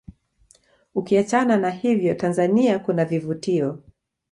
ukiachana na hivyo Tanzania kunavivutio